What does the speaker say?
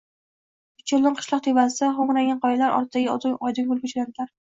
Uchovlon qishloq tepasida xoʼmraygan qoyalar ortidagi Oydinkoʼlga joʼnadilar.